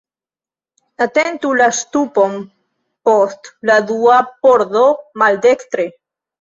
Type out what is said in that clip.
Atentu la ŝtupon post la dua pordo maldekstre.